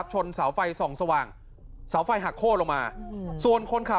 ชนเสาไฟสองสว่างสาวไฟหักโคลนลงมา